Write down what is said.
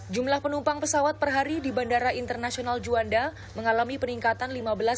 jumlah penumpang pesawat per hari di bandara internasional juanda mengalami peningkatan lima belas